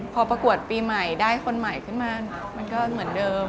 พอประกวดปีใหม่ได้คนใหม่ขึ้นมามันก็เหมือนเดิม